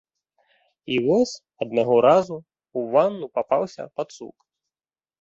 І вось аднаго разу ў ванну папаўся пацук.